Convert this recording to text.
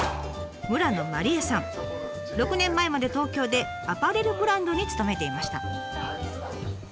６年前まで東京でアパレルブランドに勤めていました。